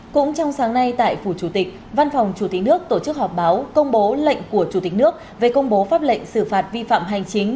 cũng trong sáng nay tại phủ chủ tịch văn phòng chủ tịch nước tổ chức họp báo công bố lệnh của chủ tịch nước về công bố pháp lệnh xử phạt vi phạm hành chính